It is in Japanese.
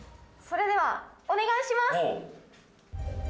それではお願いします！